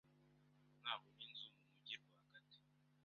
nabona inzu mu mujyi rwagati.